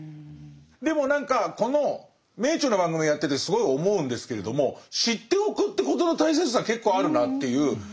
でも何かこの「名著」の番組やっててすごい思うんですけれども「知っておく」ということの大切さ結構あるなっていう。